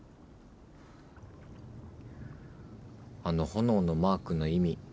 あの炎のマークの意味